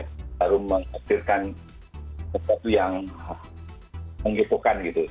selalu mengaksirkan sesuatu yang menghiburkan gitu